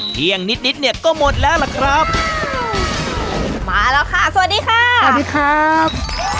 เที่ยงนิดนิดเนี่ยก็หมดแล้วล่ะครับมาแล้วค่ะสวัสดีค่ะสวัสดีครับ